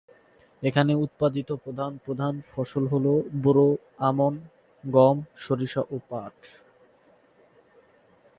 এখানে উৎপাদিত প্রধান প্রধান ফসল হল বোরো, আমন, গম, সরিষা ও পাট।